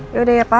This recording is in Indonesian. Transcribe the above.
yaudah ya pak